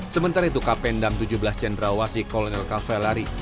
sementara itu kapendang tujuh belas cendrawasi kolonel kavellari